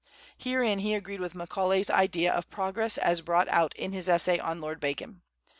Herein he agreed with Macaulay's idea of progress as brought out in his essay on Lord Bacon.